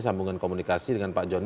sambungan komunikasi dengan pak joni